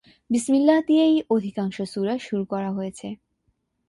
বিসমিল্লাহ দিয়েই অধিকাংশ সূরা শুরু করা হয়েছে।